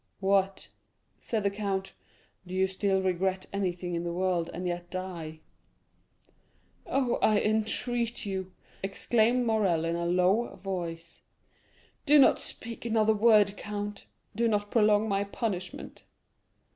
"What," said the count, "do you still regret anything in the world, and yet die?" "Oh, I entreat you," exclaimed Morrel in a low voice, "do not speak another word, count; do not prolong my punishment."